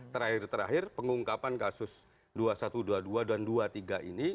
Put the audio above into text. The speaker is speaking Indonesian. terakhir terakhir pengungkapan kasus dua ribu satu ratus dua puluh dua dan dua puluh tiga ini